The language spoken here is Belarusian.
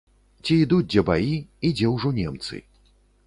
Ці ідуць дзе баі і дзе ўжо немцы?